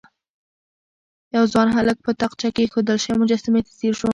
يو ځوان هلک په تاقچه کې ايښودل شوې مجسمې ته ځير شو.